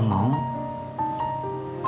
aku mau nikah sama jennifer